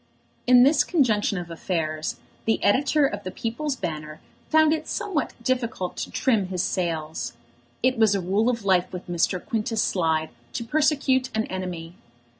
In this conjunction of affairs the editor of The People's Banner found it somewhat difficult to trim his sails. It was a rule of life with Mr. Quintus Slide to persecute an enemy.